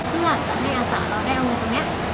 เพื่อจะให้อาสาเราได้เอาเงินตรงนี้